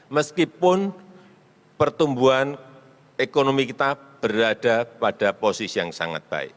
meskipun pertumbuhan ekonomi kita berada pada posisi yang sangat baik